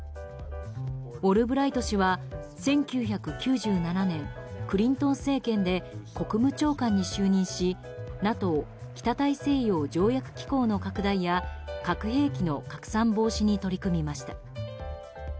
オルブライト氏は１９９７年クリントン政権で国務長官に就任しＮＡＴＯ・北大西洋条約機構の拡大や核兵器の拡散防止に取り組みました。